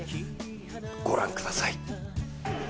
御覧ください。